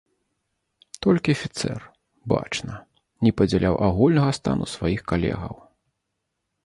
Толькі афіцэр, бачна, не падзяляў агульнага стану сваіх калегаў.